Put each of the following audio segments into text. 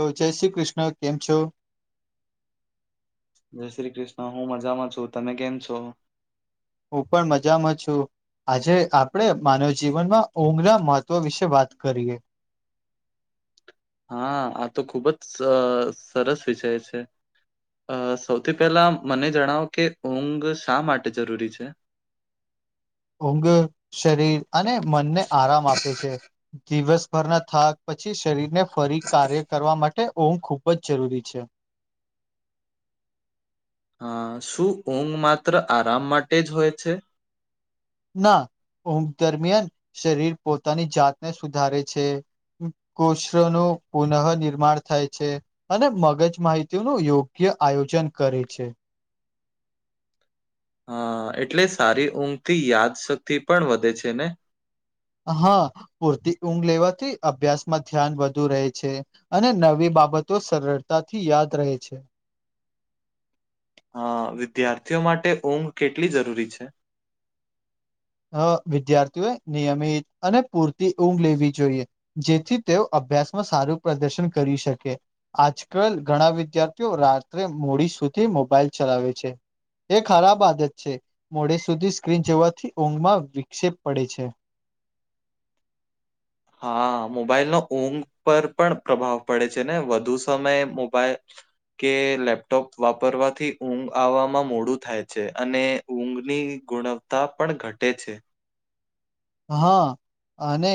લો જય શ્રી કૃષ્ણ. કેમ છો? જય શ્રી કૃષ્ણ. હું મજામાં છું. તમે કેમ છો? હું પણ મજામાં છું. આજે આપણેે માનવ જીવનમાં ઊંઘના મહત્વ વિશે વાત કરીએ. હા આ તો ખુબ જ સ સરસ વિષય છે. અ સૌથી પહેલા મને જણાવો કે ઊંઘ શા માટે જરૂરી છે? ઊંઘ શરીર અને મનને આરામ આપે છે. દિવસભરના થાક પછી શરીરને ફરી કાર્ય કરવા માટે ઊંઘ ખુબ જ જરૂરી છે. હા શું ઊંઘ માત્ર આરામ માટે જ હોય છે? ના ઊંઘ દરમિયાન શરીર પોતાની જાતને સુધારે છે. કોષનું પુનઃ નિર્માણ થાય છે. અને મગજ માહિતીનું યોગ્ય આયોજન કરે છે. હા એટલે સારી ઊંઘથી યાદશક્તિ પણ વધે છે ને? હા પૂરતી ઊંઘ લેવાથી અભ્યાસમાં ધ્યાન વધુ રહે છે. અને નવી બાબતો સરળતાથી યાદ રહે છે. હા વિદ્યાર્થીઓ માટે ઊંઘ કેટલી જરૂરી છે? અહ વિદ્યાર્થીઓએ નિયમિત અને પૂરતી ઊંઘ લેવી જોઈએ. જેથી તેઓ અભ્યાસમાં સારું પ્રદર્શન કરી શકે. આજકાલ ઘણા વિદ્યાર્થીઓ રાત્રે મોડી સુધી મોબાઈલ ચલાવે છે. એ ખરાબ આદત છે. મોડે સુધી સ્ક્રીન જોવાથી ઊંઘમાં વિક્ષેપ પડે છે. હા, મોબાઈલનો ઊંઘ પર પણ પ્રભાવ પડે છે ને વધુ સમયે મોબાઈલ કે લેપટોપ વાપરવાથી ઊંઘ આવામાં મોડું થાય છે અને ઊંઘની ગુણવત્તા પણ ઘટે છે. હા અને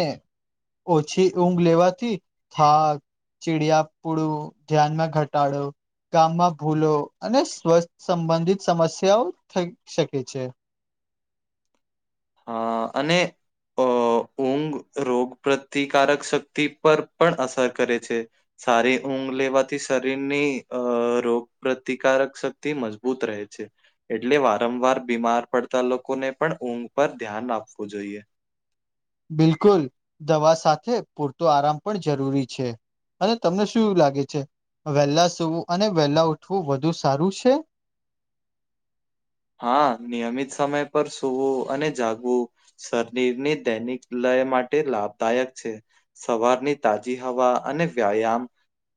ઓછી ઊંઘ લેવાથી થાક ચિડિયા પુડું ધ્યાનમાં ઘટાડો ગામમાં ભૂલો અને સ્વસ્થ સંબંધિત સમસ્યાઓ થઈ શકે છે. હા અને અહ ઊંઘ રોગ પ્રતિકારક શક્તિ પર પણ અસર કરે છે. સારી ઊંઘ લેવાથી શરીરની અહ રોગ પપ્રતિકારક શક્તિ મજબૂત રહે છે. એટલે વારંવાર બીમાર પડતા લોકોને પણ ઊંઘ પર ધ્યાન આપવું જોઈએ. બિલકુલ દવા સાથે પૂરતો આરામ પણ જરૂરી છે. અને તમને શું લાગે છે વેહેલા સૂવું અને વેલા ઉઠવું વધુ સારું છે? હા, નિયમિત સમય પર સુવું અને જાગવું શરીરની દૈનિક લય માટે લાભદાયક છે. સવારની તાજી હવા અને વ્યાયામ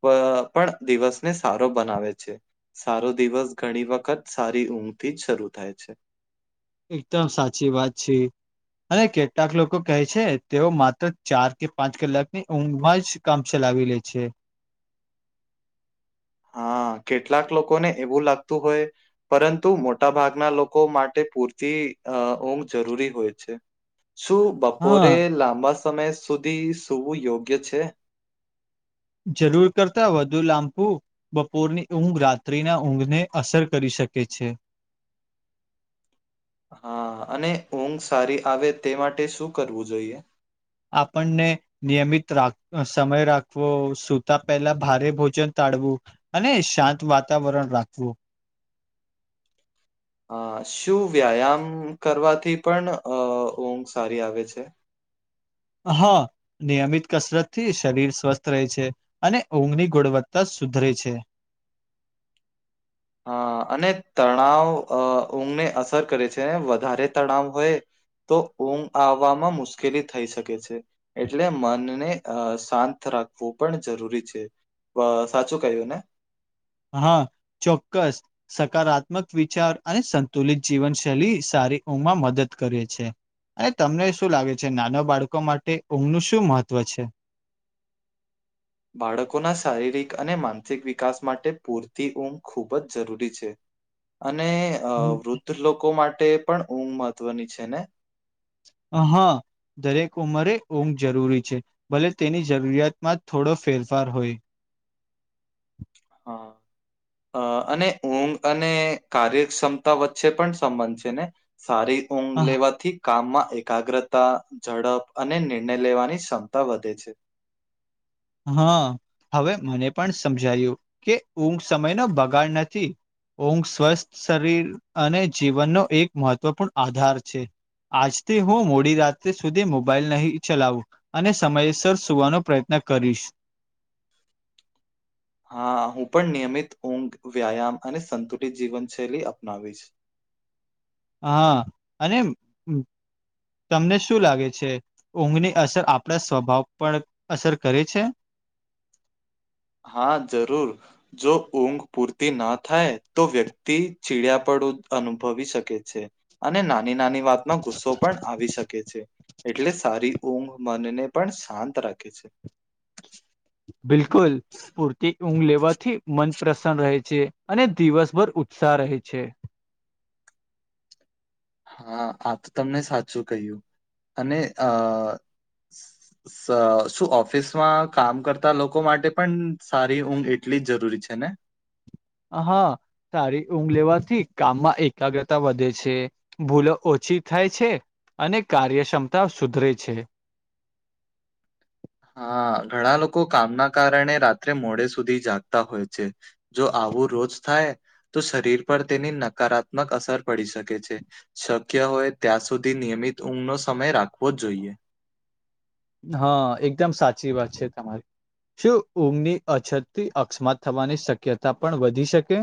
પ અહ પણ દિવસને સારો બનાવે છે. સારો દિવસ ઘણી વખત સારી ઊંઘથી જ શરૂ થાય છે. એકદમ સાચી વાત છે. અને કેટલાક લોકો કહે તેઓ માત્ર ચાર કે પાંચ કલાકની ઊંઘમાં જ કામ ચલાવી લે છે. હા, કેટલાક લોકો ને એવું લાગતું હોય પરંતુ મોટા ભાગના લોકો માટે પૂરતી અહ ઊંઘ જરૂરી હોય છે. શું હા બપોરે લાંબા સમય સુધી સુવું યોગ્ય છે? જરૂર કરતા વધુ લાંપુ બપોરની ઊંઘ રાત્રિના ઊંઘને અસર કરી શકે છે. હા અને ઊંઘ સારી આવે તે માટે શું કરવું જોઈએ? આપણને નિયમિત રાખ સમય રાખવો સુતા પહેલા ભારે ભોજન તાડવું અને શાંત વાતાવરણ રાખવું. હા શું વ્યાયામ કરવાથી પણ અહ ઊંઘ સારી આવે છે? હા. નિયમિત કસરતથી શરીર સ્વસ્થ રહે છે અને ઊંઘની ગુણવત્તા સુધરે છે. હા અને તણાવ અહ ઊંઘને અસર કરે છે વધારે તણાવ હોય તો ઊંઘ આવવામાં મુશ્કેલી થઈ શકે છે. એટલે મનને અહ શાંત રાખવું પણ જરૂરી છે. પહ્ સાચું કયું ને? હા ચોક્કસ. સકારાત્મક વિચાર અને સંતુલિત જીવનશૈલી સારી ઊંમમાં મદદ કરે છે. અને તમને શું લાગે છે નાના બાળકો માટે ઊંઘનું શું મહત્વ છે? બાળકોના શારીરિક અને માનસિક વિકાસ માટે પૂરતી ઊંઘ ખૂબ જ જરૂરી છે. અને અહ હમ. વૃદ્ધ લોકો માટે પણ ઊંઘ મહત્વની છે ને? અહા. દરેક ઉંમરે ઊંઘ જરૂરી છે. ભલે તેની જરૂરિયાતમાં જ થોડો ફેરફાર હોય. હા. અહ અને ઊંઘ અને કાર્યક્ષમતા વચ્ચે પણ સંબંધ છે ને? સારી ઊંઘ આહ, લેવાથી કામમાં એકાગ્રતા, ઝડપ અને નિર્ણય લેવાની ક્ષમતા વધે છે. હા. હવે મને પણ સમજાયું કે ઊંઘ સમયનો બગાડ નથી. ઊંઘ સ્વસ્થ શરીર અને જીવનનો એક મહત્વપૂર્ણ આધાર છે. આજથી હું મોડી રાત્રે સુધી મોબાઈલ નહીં ચલાવું. અને સમયસર સુવાનો પ્રયત્ન કરીશ. હા હું પણ નિયમિત ઊંઘ, વ્યાયામ અને સંતુલિત જીવનશૈલી અપનાવીશ. હા. અને તમને શું લાગે છે, ઊંઘની અસર આપણા સ્વભાવ પર અસર કરે છે? હા જરૂર. જો ઊંઘ પૂરતી ન થાય તો વ્યક્તિ ચીડીયાપડું અનુભવી શકે છે. અને નાની-નાની વાતમાં ગુસ્સો પણ આવી શક કે છે. એટલે સારી ઊંઘ મનને પણ શાંત રાખે છે. બિલકુલ. પૂરતી ઊંઘ લેવાથી મન પ્રસન્ન રહે છે, અને દિવસભર ઉત્સાહ રહે છે. હા. આ તો તમને સાચું કહ્યું. અને અહ સ શું ઓફિસમાં કામ કરતા લોકો માટે પણ સારી ઊંઘ એટલી જ જરૂરી છે ને? હા. સારી ઊંઘ લેવાથી કામમાં એકાગ્રતા વધે છે. ભૂલો ઓછી થાય છે, અને કાર્યક્ષમતા સુધરે છે. હા. ઘણા લોકો કામના કારણે રાત્રે મોડે સુધી જાગતા હોય છે. જો આવું રોજ થાય તો શરીર પર તેની નકારાત્મક અસર પડી શકે છે. શક્ય હોય ત્યાં સુધી નિયમિત ઊંઘનો સમય રાખવો જ જોઈએ. હા એકદમ સાચી વાત છે તમારી. શું ઊંઘની અછતથી અકસ્માત થવાની શક્યતા પણ વધી શકે?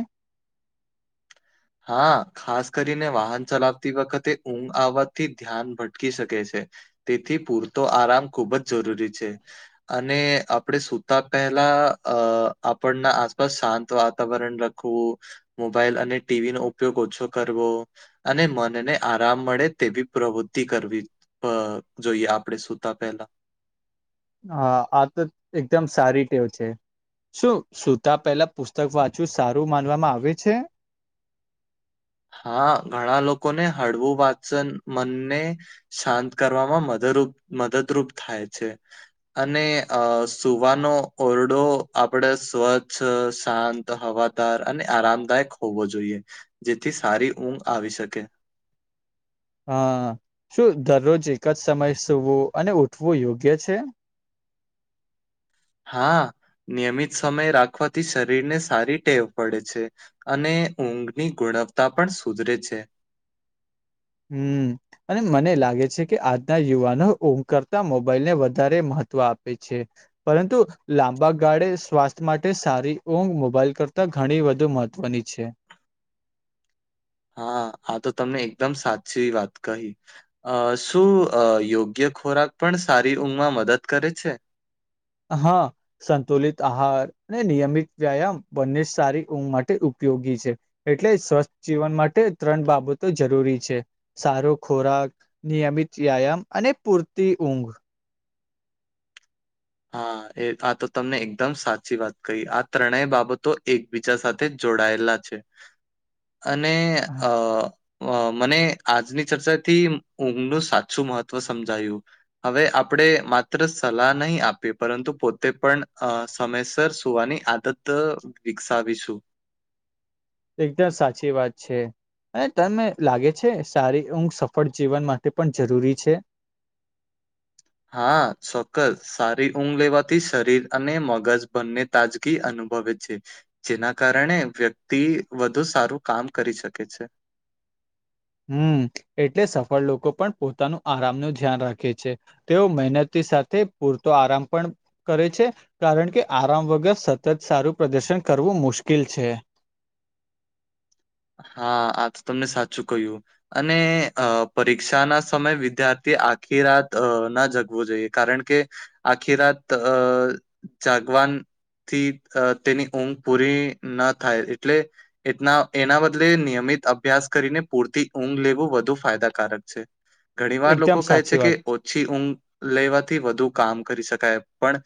હા. ખાસ કરીને વાહન ચલાવતી વખતે ઊંઘ આવવાથી ધ્યાન ભટકી શકે છે. તેથી પૂરતો આરામ ખૂબ જ જરૂરી છે. અને આપણેે સુતા પહેલા અહ આપણના આસપાસ શાંત વાતાવરણ રાખ ખવું, મોબાઈલ અને ટી વી નો ઉપયોગ ઓછો કરવો. અને મનને આરામ મળે તેવી પ્રવૃત્તિ કરવી. અહ જોઈએ આપણેે સુતા પહેલા. હા. આ તો એકદમ સારી ટેવ છે. શું સુતા પહેલા પુસ્તક વાંચું સારું માનવામાં આવે છે? હા. ઘણા લોકો ને હળવું વાંચન મનને શાંત કરવામાં મદરૂપ મદદરૂપ થાય છે. અને અહ સુવાનો ઓરડો આપડે સ્વચ્છ, શાંત ત, હવાદાર અને આરામદાયક હોવો જોઈએ. જેથી સારી ઊંઘ આવી શકે. હા. શું દરરોજ એક જ સમયે સૂવું અને ઉઠવું યોગ્ય છે? હા. નિયમિત સમય રાખવાથી શરીર ને સારી ટેવ પડે છે. અને ઊંઘની ગુણવતા પણ સુધરે છે. હમ્મ. અને મને લાગે છે કે આજના યુવાનો ઊંઘ કરતા મોબાઈલ ને વધારે મહત્વ આપે છે. પરંતુ લાંબા ગાળે સ્વાસ્થ્ય માટે સારી ઊંઘ મોબાઈલ કરતા ઘણી વધુ મહત્વ મહત્વની છે. હા, આ તો તમને એકદમ સાચી વાત કહી! અ શું યોગ્ય ખોરાક પણ સારી ઊંઘમાં મદદ કરે છે. હા, સંતુલિત આહાર અને નિયમિત વ્યાયામ બંને સારી ઊંઘ માટે ઉપયોગી છે. એટલે સ્વસ્થ જીવન માટે ત્રણ બાબતો જરૂરી છે. સારો ખોરાક નિયમિત વ્યાયામ અને પૂરતી ઊંઘ હા, એ આ તો તમને એકદમ સાચી વાત કહી આ ત્રણેય બાબતો એક બીજા સાથે જોડાયેલા છે અને અ અ મને આજની ચર્ચાથી ઊંઘનું સાચું મહત્વ સમજાયું. હવે આપણેે માત્ર સલાહ નહીં આપ પરંતુ પોતે પણ અ સમયસર સુવાની આદત વિકસાવીશું એકદમ સાચી વાત છે. અને તમે લાગે છે સારી ઊંઘ સફળ જીવન માટે પણ જરૂરી છે. હા, ચોક્કસ સારી ઊંઘ લેવાથી શરીર અને મગજ બંને તાજગી અનુભવે છે. જેના કારણે વ્યક્તિ વધુ સારું કામ કરી શકે છે. હમ, એટલે સફળ લોકો પણ પોતાનું આરામનું ધ્યાન રાખે છે. તેઓ મહેનત સાથે પૂરતો આરામ પણ કરે છે. કારણ કે આરામ વગર સતત સારું પ્રદર્શન કરવું મુશ્કેલ છે. હા, આ તો તમને સાચું કહ્યું. અને અ પરીક્ષા ના સમયે વિદ્યાર્થી આખી રાત ના જગવું જોઈએ કારણ કે આખીરાત અ જાગવાન. થીથ તેની ઊંઘ પૂરી ન થાય એટલે એટના. એના બદલે નિયમિત અભ્યાસ કરીને પૂરતી ઊંગ લેવું વધુ ફાયદાકારક છે. ઘણી વાર લોકો એકદમ કહે છે સાચી કે વાત ઓછી ઊંગ લેવાથી વધુ કામ કરી શકાય પણ.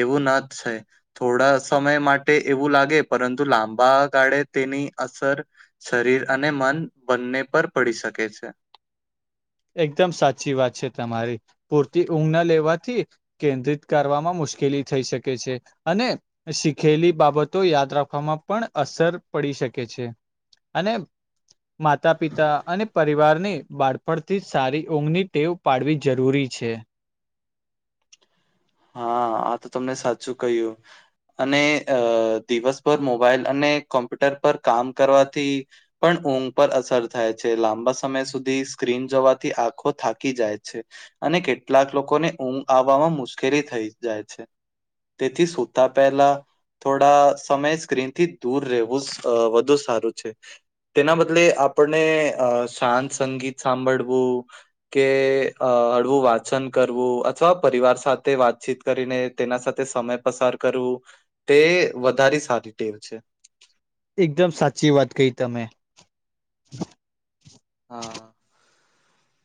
એવું ન થાય થોડા સમય માટે એવું લાગે પરંતુ લાંબા ગાળે તેની. અસર શરીર અને મન બન્ને પર પળી શકે છે. એકધમ સાચી વાત છે તમારી પૂરતી ઊંધ ના લેવાથી. કેન્દ્રીત કરવામાં મુશ્કેલી થઈ શકે છે અને. શીખેલી બાબતો યાદ રાખવામાં પણ અસર પળી શકે છે. અને માતા પિતા અને પરિવારની બાળ. પળથી સારી ઊંઘની ટેવ પાળવી જરૂરી છે. હાં આ તો તમને સાચું કયુ. અને અ દિવસભર મોબાઈલ અને કોમ્પ્યુટર પર કામ કરવાથી. પણ ઊંઘ પર અસર થાય છે લાંબા સમય સુધી સ્ક્રીન જોવાથી આંખો થાકી જાય છે. અને કેટલાક લોકોને ઊંઘ આવવામાં મુશ્કેલી થઈ જા છે. તેથી સુતા પેલા. થોળા સમય સ્ક્રીન થી દૂર રહેવું સઅ વધુ સારું છે. તેના બદલે આપને અ શાંત સંગીત સાંબળવું. કે અ હળવું વાછન કરવું અથવા પરિવાર સાથે. વાતચીત કરીને તેના સાથે સમય પસાર કરુ. તે વધારી સારી ટેવ છે. એકદમ સાચી વાત કઇ તમે હાં.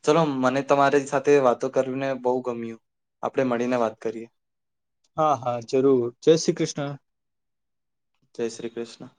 ચલો મને તમારી સાથે વાતો કરીને બઉ ગમ્યું આપળે મળીને વાત કરીએ. હા હા જરૂર જય શ્રી કિષ્ના. જય શ્રી ક્રિષ્ના.